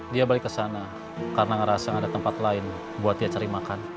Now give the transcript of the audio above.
dia balik ke sana karena ngerasa ada tempat lain buat dia cari makan